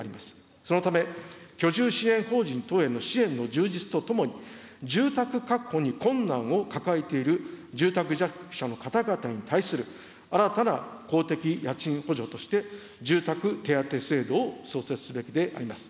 そのため、居住支援法人等への支援の充実とともに、住宅確保に困難を抱えている住宅弱者の方々に対する新たな公的家賃補助として住宅手当制度を創設すべきであります。